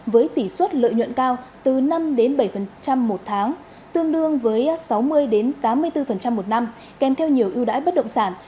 với tỷ suất lợi nhuận cao từ năm bảy một tháng tương đương với sáu mươi tám mươi bốn một năm kèm theo nhiều ưu đãi bất động sản